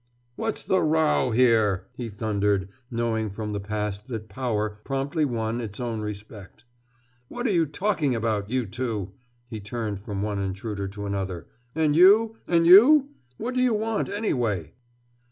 "What's the row here?" he thundered, knowing from the past that power promptly won its own respect. "What're you talking about, you two?" He turned from one intruder to another. "And you? And you? What do you want, anyway?"